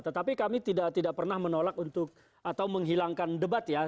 tetapi kami tidak pernah menolak untuk atau menghilangkan debat ya